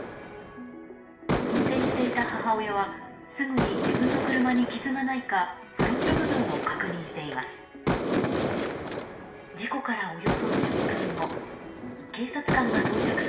運転していた母親はすぐに自分の車に傷がないかフロント部分を確認しています。